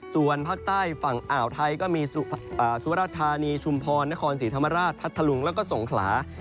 ส่วนภาคใต้ฝั่งอ่าวไทยก็มีสุรธานีชุมพรนครศรีธรรมราชพัทธลุงแล้วก็สงขลา